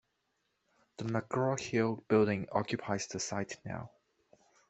The McGraw-Hill Building occupies the site now.